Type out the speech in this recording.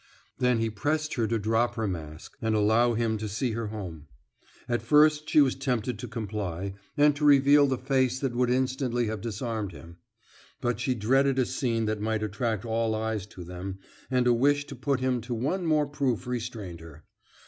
Then he pressed her to drop her mask, and allow him to see her home. At first she was tempted to comply, and to reveal the face that would instantly have disarmed him; but she dreaded a scene that might attract all eyes to them, and a wish to put him to one more proof restrained her.